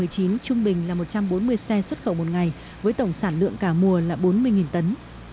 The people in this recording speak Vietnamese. trung bình là một trăm bốn mươi xe xuất khẩu một ngày với tổng sản lượng cả mùa là bốn mươi tấn